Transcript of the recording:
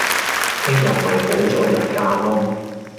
聽日咪補咗日假囉